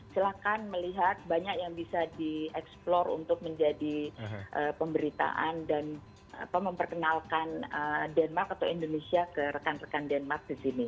silahkan melihat banyak yang bisa di explor untuk menjadi pemberitaan dan memperkenalkan denmark atau indonesia ke rekan rekan denmark di sini